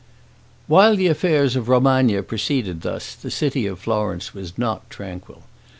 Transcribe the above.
While the affairs of Romagna proceeded thus, the city of Florence was not tranquil.